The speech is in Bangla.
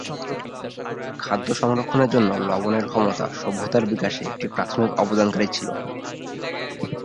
খাদ্য সংরক্ষণের জন্য লবণের ক্ষমতা সভ্যতার বিকাশে একটি প্রাথমিক অবদানকারী ছিল।